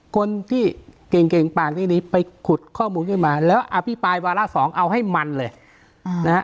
คนที่เก่งเก่งปากเรื่องนี้ไปขุดข้อมูลขึ้นมาแล้วอภิปรายวาระสองเอาให้มันเลยนะฮะ